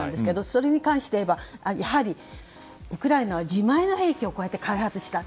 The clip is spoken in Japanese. それに関して言えばやはりウクライナは自前の兵器をこうやって開発した。